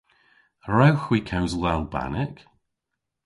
A wrewgh hwi kewsel Albanek?